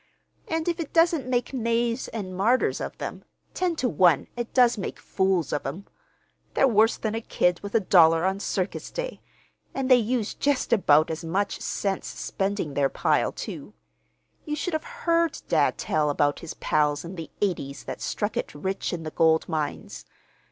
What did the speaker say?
And if it doesn't make knaves and martyrs of them, ten to one it does make fools of 'em. They're worse than a kid with a dollar on circus day; and they use just about as much sense spending their pile, too. You should have heard dad tell about his pals in the eighties that struck it rich in the gold mines.